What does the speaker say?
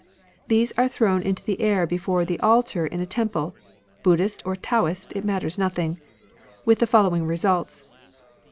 These are thrown into the air before the altar in a temple, — ^Buddhist or Taoist, it matters nothing, — ^with the following results.